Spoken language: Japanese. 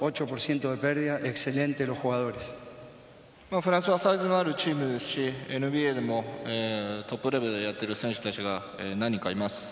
フランスはサイズのあるチームですし、ＮＢＡでもトップレベルでやってる選手たちが何人かいます。